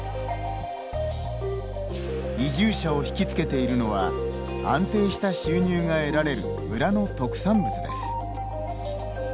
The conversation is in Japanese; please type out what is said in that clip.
移住者を惹きつけているのは安定した収入が得られる村の特産物です。